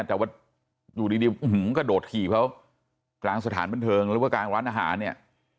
แต่ว่าอยู่ดีอื้อหือก็โดดขี่เพราะกลางสถานบนเทิงแล้วก็กลางร้านอาหารเนี่ย